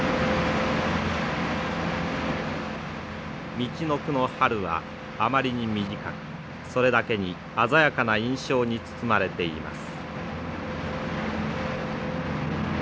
みちのくの春はあまりに短くそれだけに鮮やかな印象に包まれています。